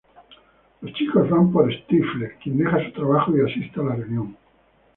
Los chicos van por Stifler, quien deja su trabajo y asiste a la reunión.